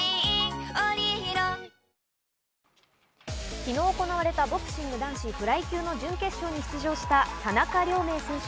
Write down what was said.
昨日行われたボクシング男子フライ級の準決勝に出場した田中亮明選手。